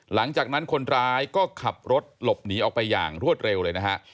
หลังจากนั้นคนร้ายก็ขับรถหลบหนีออกไปอย่างรวดเร็วเลยนะฮะ